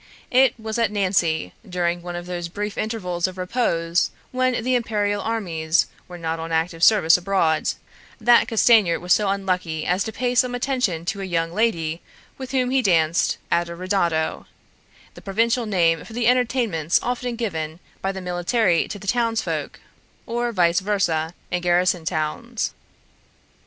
It was at Nancy, during one of those brief intervals of repose when the Imperial armies were not on active service abroad, that Castanier was so unlucky as to pay some attention to a young lady with whom he danced at a ridotto, the provincial name for the entertainments often given by the military to the townsfolk, or vice versâ, in garrison towns.